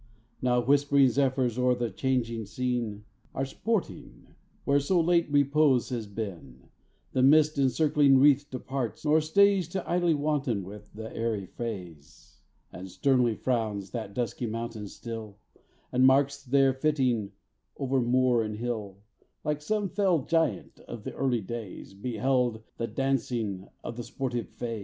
Now whisp'ring Zephyrs o'er the changing scene Are sporting, where so late repose has been, The mist in circling wreaths departs, nor stays To idly wanton with the airy fays. And sternly frowns that dusky mountain still, And marks their fittings over moor and hill; Like some fell giant of the early days Beheld the dancing of the sportive fays.